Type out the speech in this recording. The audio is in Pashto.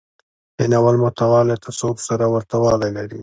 د ناول محتوا له تصوف سره ورته والی لري.